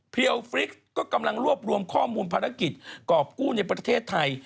เรียลฟริกก็กำลังรวบรวมข้อมูลภารกิจกรอบกู้ในประเทศไทย